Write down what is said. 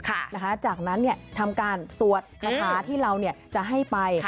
ค่ะนะคะจากนั้นทำการสวดคาท้าที่เราจะให้ไป